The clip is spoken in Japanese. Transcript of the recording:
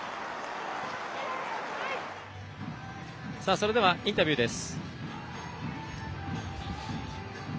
それではインタビューです。